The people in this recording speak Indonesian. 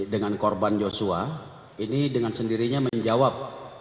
dengan korban joshua ini dengan sendirinya menjawab